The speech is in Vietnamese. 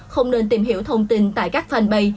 không nên tìm hiểu thông tin tại các fanpage